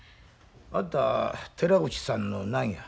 あんた寺内さんの何や？